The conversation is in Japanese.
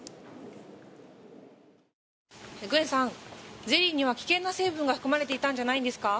グエンさん、ゼリーには危険な成分が含まれていたんじゃないんですか？